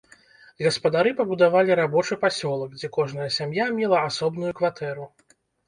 Гаспадары пабудавалі рабочы пасёлак, дзе кожная сям'я мела асобную кватэру.